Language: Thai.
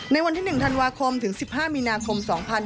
ในวันที่๑ธันวาคมถึง๑๕มีนาคม๒๕๕๙